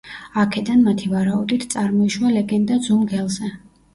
აქედან, მათი ვარაუდით, წარმოიშვა ლეგენდა ძუ მგელზე.